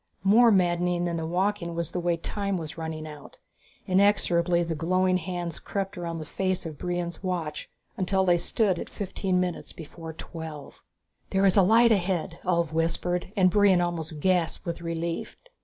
More maddening than the walking was the way time was running out. Inexorably the glowing hands crept around the face of Brion's watch until they stood at fifteen minutes before twelve. "There is a light ahead," Ulv whispered, and Brion almost gasped with relief.